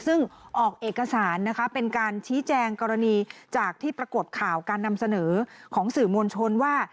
ซึ่งออกเอกสารนะคะเป็นการชี้แจงกรณีจากที่ปรากฏข่าวการนำเสนอของสื่อมวลชนว่า